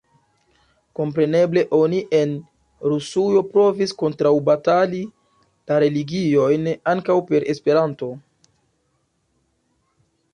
Kompreneble oni en Rusujo provis kontraŭbatali la religiojn ankaŭ per Esperanto.